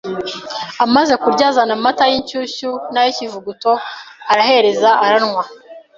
amaze kurya azana amata y’inshyushyu n’ay’ikivuguto arahereza aranywa